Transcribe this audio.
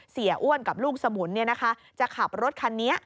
อ้วนกับลูกสมุนจะขับรถคันนี้